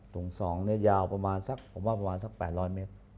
ถุง๒เนี่ยยาวประมาณสักผมว่าประมาณสัก๘๐๐เมตร